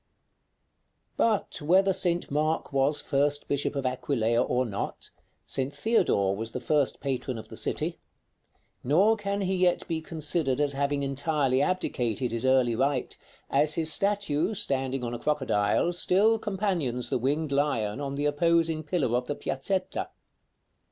§ III. But whether St. Mark was first bishop of Aquileia or not, St. Theodore was the first patron of the city; nor can he yet be considered as having entirely abdicated his early right, as his statue, standing on a crocodile, still companions the winged lion on the opposing pillar of the piazzetta.